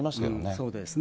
そうですね。